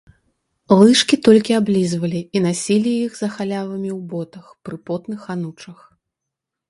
Лыжкі толькі аблізвалі і насілі іх за халявамі ў ботах, пры потных анучах.